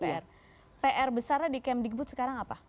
pr besarnya di kementerian pendidikan dan kebudayaan sekarang apa